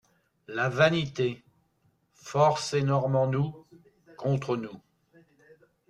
La vanité, force énorme en nous, contre nous.